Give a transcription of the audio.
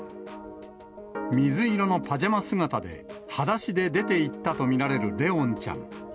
水色のパジャマ姿で、はだしで出ていったと見られる怜音ちゃん。